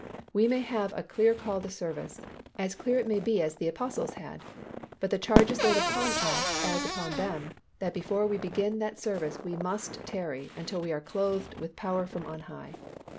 We may have a very clear call to service, as clear it may be as the Apostles had, but the charge is laid upon us as upon them, that before we begin that service we must tarry until we are clothed with power from on high.